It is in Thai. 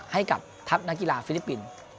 ให้กับทัพนักกีฬาฟิลิปปินส์